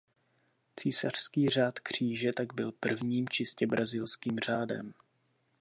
Císařský řád kříže tak byl prvním čistě brazilským řádem.